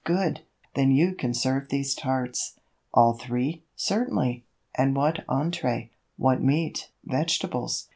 "Good. Then you can serve these tarts." "All three?" "Certainly." "And what entrée? What meat? Vegetables?"